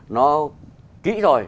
nó kỹ rồi